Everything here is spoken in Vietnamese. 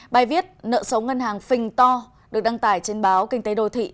bài viết nợ xấu ngân hàng phình to được đăng tải trên báo kinh tế đô thị